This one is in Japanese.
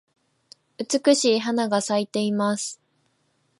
美しい花が咲いています。